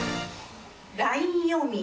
ＬＩＮＥ読み